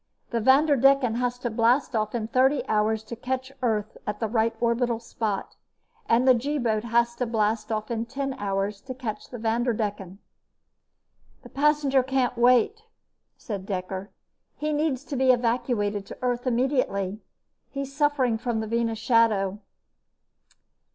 "The Vanderdecken has to blast off in thirty hours to catch Earth at the right orbital spot, and the G boat has to blast off in ten hours to catch the Vanderdecken." "This passenger can't wait," said Dekker. "He needs to be evacuated to Earth immediately. He's suffering from the Venus Shadow."